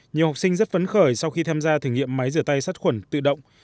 nhiều học sinh rất phấn khởi sau khi tham gia thử nghiệm máy rửa tay sát khuẩn tự động